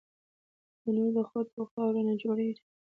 تنور د خټو او خاورو نه جوړېږي